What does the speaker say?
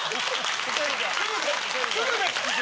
鶴瓶！